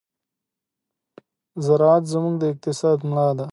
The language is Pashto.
زراعت زموږ د اقتصاد ملا ده.